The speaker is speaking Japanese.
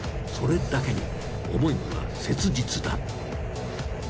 それだけに思いは切実だ。